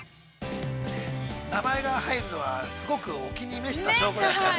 ◆名前が入るのは、すごくお気に召した証拠ですから。